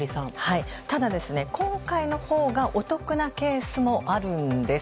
ただ、今回のほうがお得なケースもあるんです。